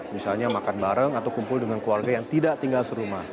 misalnya makan bareng atau kumpul dengan keluarga yang tidak tinggal serumah